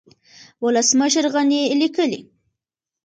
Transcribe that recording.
ولسمشر غني ليکلي